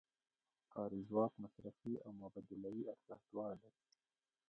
کاري ځواک مصرفي او مبادلوي ارزښت دواړه لري